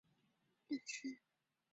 现为纽约执业律师。